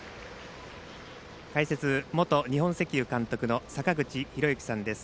解説、元日本石油監督の坂口裕之さんです。